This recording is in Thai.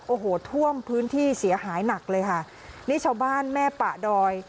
โอ้โหท่วมพื้นที่เสียหายหนักเลยค่ะนี่ชาวบ้านแม่ป่าดอย